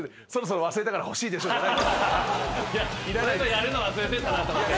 やるの忘れてたなと思って。